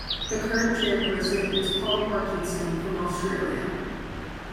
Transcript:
The current chairperson is Paul Parkinson from Australia.